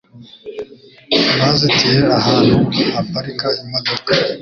Bazitiye ahantu haparika imodoka.